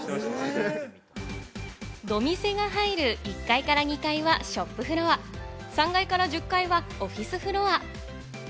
ドミセが入る１階から２階はショップフロア、３階から１０階はオフィスフロア。